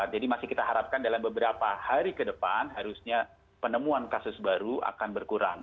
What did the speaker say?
jadi masih kita harapkan dalam beberapa hari ke depan harusnya penemuan kasus baru akan berkurang